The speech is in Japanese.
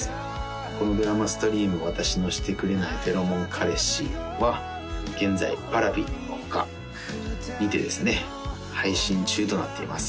このドラマストリーム「私のシてくれないフェロモン彼氏」は現在Ｐａｒａｖｉほかにてですね配信中となっています